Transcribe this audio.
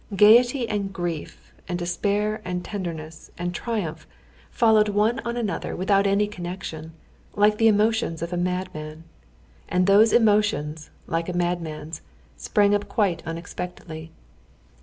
Gaiety and grief and despair and tenderness and triumph followed one another without any connection, like the emotions of a madman. And those emotions, like a madman's, sprang up quite unexpectedly.